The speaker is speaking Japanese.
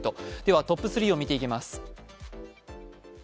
トップ３を見ていきます。